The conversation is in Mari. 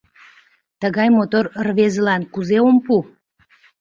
Тыгай мотор рвезылан кузе ом пу.